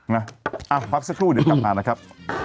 นะพักสักครู่เดี๋ยวกลับมานะครับ